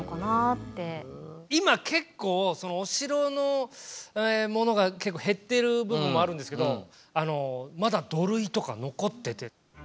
今結構そのお城のものが結構減ってる部分もあるんですけどまだ土塁とか残っててねえ。